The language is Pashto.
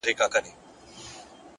د روح څه قصور نه و حرکت خاورې ايرې کړ-